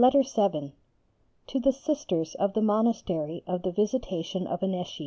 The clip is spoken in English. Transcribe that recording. VII. _To the Sisters of the Monastery of the Visitation of Annecy.